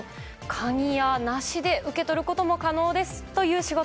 カニや梨で受け取ることもできますという仕事